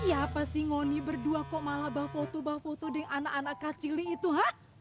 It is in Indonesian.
kiyapa sih wony berdua kok malah bafoto bafoto dengan anak anak kecil itu ha